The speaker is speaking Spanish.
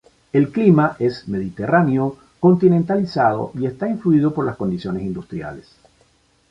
El clima es mediterráneo continentalizado y está influido por las condiciones industriales.